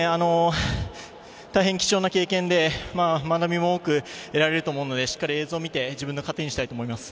大変貴重な経験で学びも多く得られると思うのでしっかり映像見て自分の糧にしたいと思います。